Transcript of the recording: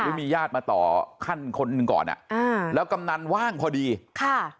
มีญาติมาต่อขั้นคนหนึ่งก่อนอ่ะอ่าแล้วกำนันว่างพอดีค่ะ